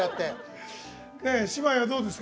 姉妹はどうですか